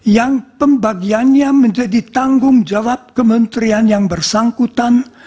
yang pembagiannya menjadi tanggung jawab kementerian yang bersangkutan